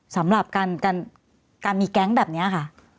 สำหรับการมีแก๊งแบบนี้ค่ะ